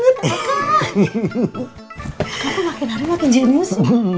akang tuh makin hari makin jenius